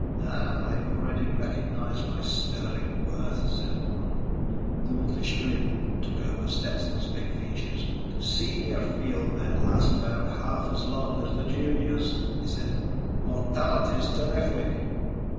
"Ah, they've already recognized my sterling worth," said Orne. The wolfish grin took over Stetson's big features. "Senior field men last about half as long as the juniors," he said. "Mortality's terrific?"